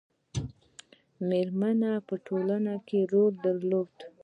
میرمنو په ټولنه کې رول درلود